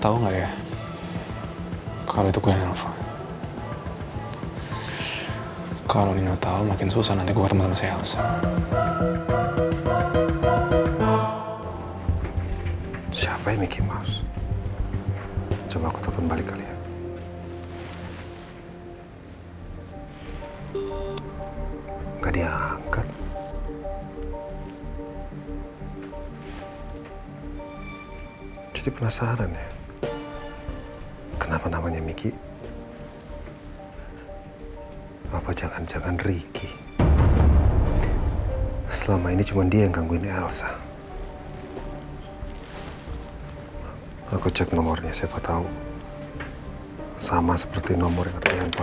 aku kembali ke tempat yang baik